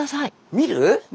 見る？